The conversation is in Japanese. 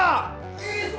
・いいぞ！